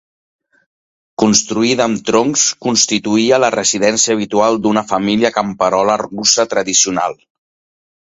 Construïda amb troncs, constituïa la residència habitual d'una família camperola russa tradicional.